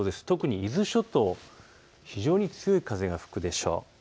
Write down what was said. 特に伊豆諸島、非常に強い風が吹くでしょう。